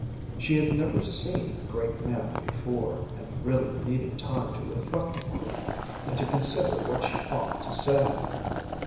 She had never seen a great man before, and really needed time to reflect upon him and to consider what she ought to say.